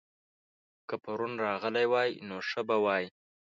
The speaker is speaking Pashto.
که پرون راغلی وای؛ نو ښه به وای